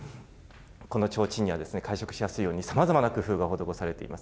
このちょうちんには、会食しやすいように、さまざまな工夫が施されています。